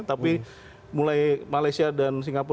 tapi mulai malaysia dan singapura